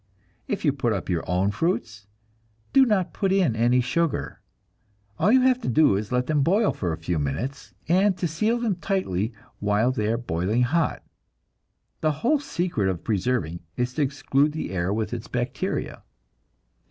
If you put up your own fruits, do not put in any sugar. All you have to do is to let them boil for a few minutes, and to seal them tightly while they are boiling hot. The whole secret of preserving is to exclude the air with its bacteria.